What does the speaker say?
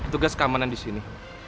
tugas keamanan disini